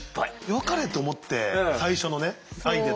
よかれと思って最初のねアイデア出した時は。